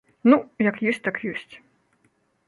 Ну, як ёсць, так ёсць.